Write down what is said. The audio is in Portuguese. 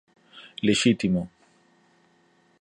legítimo